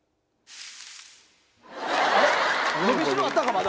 伸びしろあったかまだ。